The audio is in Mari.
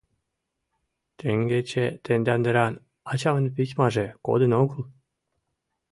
Теҥгече тендан деран ачамын письмаже кодын огыл?